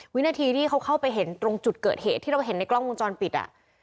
วินาทีที่เขาเข้าไปเห็นตรงจุดเกิดเหตุที่เราเห็นในกล้องวงจรปิดอ่ะ